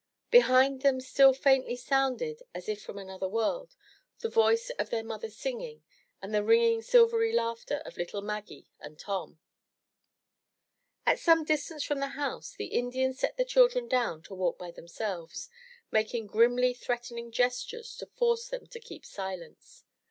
Behind them still faintly sounded, as if from another world, the voice of their mother singing and the ringing silvery laughter of little Maggie and Tom. At some distance from the house, the Indians set the children down to walk by themselves, making grimly threatening gestures to force them to keep silence.